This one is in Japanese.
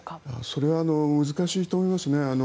それは難しいと思います。